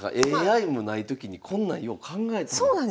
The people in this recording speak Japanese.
ＡＩもない時にこんなんよう考えたな。